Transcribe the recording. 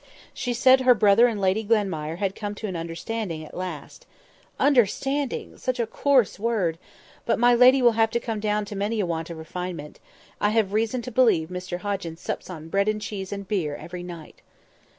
She said her brother and Lady Glenmire had come to an understanding at last. 'Understanding!' such a coarse word! But my lady will have to come down to many a want of refinement. I have reason to believe Mr Hoggins sups on bread and cheese and beer every night.